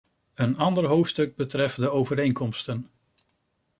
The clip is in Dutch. Een ander hoofdstuk betreft de overeenkomsten.